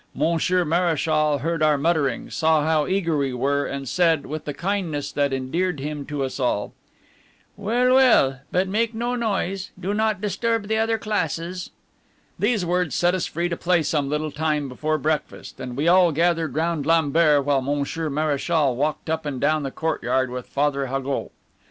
Monsieur Mareschal heard our mutterings, saw how eager we were, and said, with the kindness that endeared him to us all: "Well, well, but make no noise; do not disturb the other classes." These words set us free to play some little time before breakfast, and we all gathered round Lambert while Monsieur Mareschal walked up and down the courtyard with Father Haugoult.